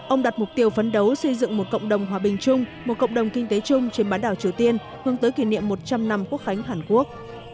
ông đặt mục tiêu phấn đấu xây dựng một cộng đồng hòa bình chung một cộng đồng kinh tế chung trên bán đảo triều tiên hướng tới kỷ niệm một trăm linh năm quốc khánh hàn quốc